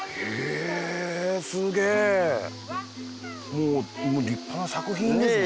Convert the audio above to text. もう立派な作品ですもんね。